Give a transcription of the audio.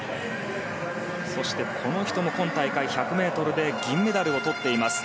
この人も今大会１００ｍで銀メダルをとっています。